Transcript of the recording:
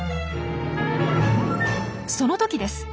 その時です。